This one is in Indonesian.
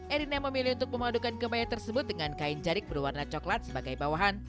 erina memilih untuk memadukan kebaya tersebut dengan kain jarik berwarna coklat sebagai bawahan